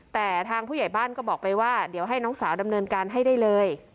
แต่ทางผู้ใหญ่บ้านก็บอกไปว่าเดี๋ยวให้น้องสาวดำเนินการให้ได้เลย